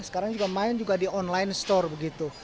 sekarang juga main juga di online store begitu